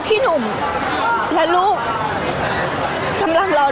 พี่ตอบได้แค่นี้จริงค่ะ